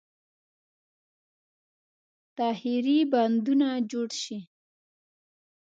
تاخیري بندونه جوړ شي.